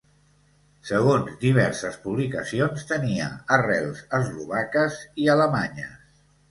Segons diverses publicacions, tenia arrels eslovaques i alemanyes.